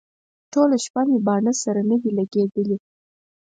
ټوله شپه مې باڼه سره نه دي لګېدلي.